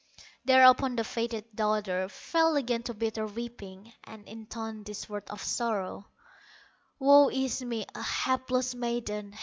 Thereupon the fated daughter Fell again to bitter weeping, And intoned these words of sorrow: "Woe is me, a hapless maiden!